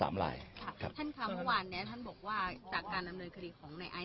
ท่านค่ะเมื่อวานเนี้ยท่านบอกว่าจากการดำเนินคดีของในไอซ